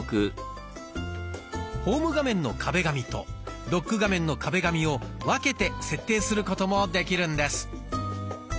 ホーム画面の壁紙とロック画面の壁紙を分けて設定することもできるんです。